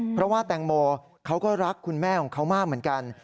เพราะว่าแตงโมเขาก็รักคุณแม่ของเขามากเหมือนกัน